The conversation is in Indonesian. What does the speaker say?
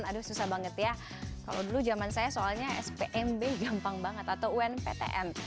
aduh susah banget ya kalau dulu zaman saya soalnya spmb gampang banget atau unptm